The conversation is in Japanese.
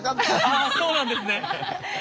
あそうなんですね！